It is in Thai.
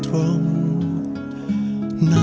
ท่านท่านรับไปเนี่ย